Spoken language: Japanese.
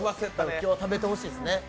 今日は食べてほしいですね。